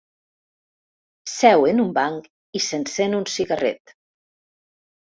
Seu en un banc i s'encén un cigarret.